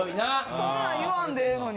そんなん言わんでええのに。